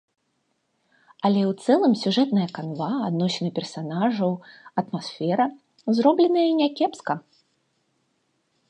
Але ў цэлым сюжэтная канва, адносіны персанажаў, атмасфера зробленыя някепска.